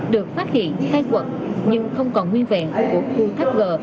được phát hiện khai quật nhưng không còn nguyên vẹn của khu cách g